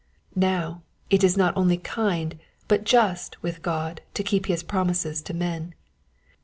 Now, is it not only kind but just with God to keep his promises to men.